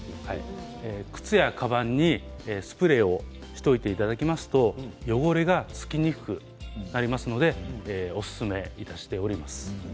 靴やかばんにスプレーをしておいていただきますと汚れが付きにくくなりますのでおすすめいたしております。